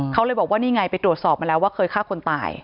เขาเลยบอกว่านี่ไงไปตรวจสอบมาแล้วว่าเคยฆ่าคนตาย